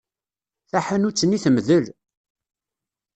Taḥanut-nni temdel.